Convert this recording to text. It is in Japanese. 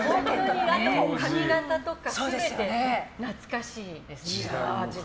髪形とか、全て懐かしいですね。